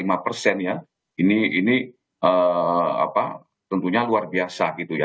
ini tentunya luar biasa